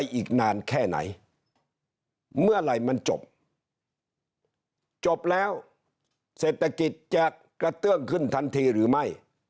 อีกนานแค่ไหนเมื่อไหร่มันจบจบแล้วเศรษฐกิจจะกระเตื้องขึ้นทันทีหรือไม่